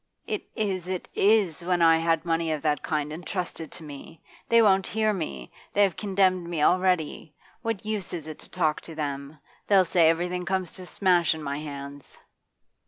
'It is it is when I had money of that kind entrusted to me! They won't hear me. They have condemned me already. What use is it to talk to them? They'll say everything comes to smash in my hands.